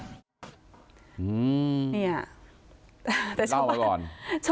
เร่มเลยออกก่อน